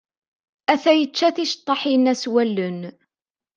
Ata yečča ticeṭṭaḥin-a s wallen.